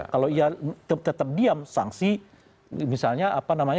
kalau ia tetap diam sanksi misalnya apa namanya